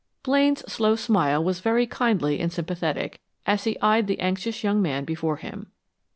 Blaine's slow smile was very kindly and sympathetic as he eyed the anxious young man before him.